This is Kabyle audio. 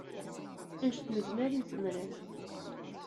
Annect nezmer i zemren.